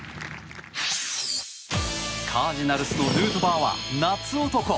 カージナルスのヌートバーは夏男。